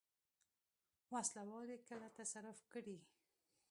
وسله وال یې کله تصرف کړي.